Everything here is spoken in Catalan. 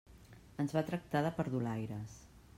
Ens va tractar de perdulaires.